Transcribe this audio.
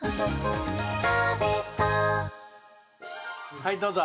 はい、どうぞ。